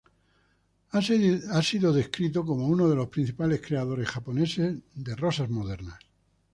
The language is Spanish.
Ha sido descrito como uno de los principales creadores japoneses de rosas modernas.